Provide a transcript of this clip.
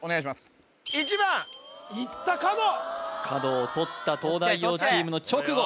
１番いった角角を取った東大王チームの直後